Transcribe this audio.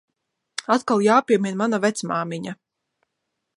Atkal jāpiemin mana vecmāmiņa.